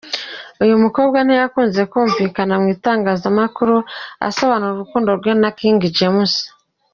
Uyu mukobwa ntiyakunze kumvikana mu itangazamakuru asobanura urukundo rwe na King James.